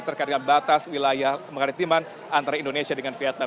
terkait dengan batas wilayah maritiman antara indonesia dengan vietnam